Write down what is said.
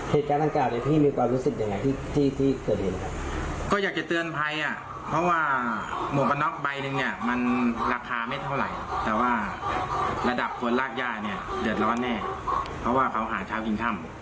เหตุการณ์ต้องการให้พี่มีความรู้สึกอย่างไรที่